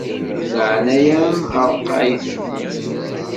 Di leɛnaya-m ṛeqqeɛ-it.